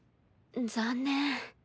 残念。